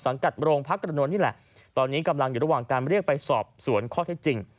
กัดโรงพักกระนวลนี่แหละตอนนี้กำลังอยู่ระหว่างการเรียกไปสอบสวนข้อเท็จจริง